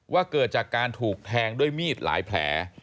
เกิดจากการถูกแทงด้วยมีดหลายแผล